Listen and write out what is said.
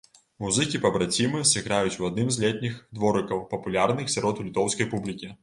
Музыкі-пабрацімы сыграюць у адным з летніх дворыкаў, папулярных сярод літоўскай публікі.